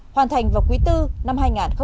hoàn thành vào quý bốn năm hai nghìn một mươi bảy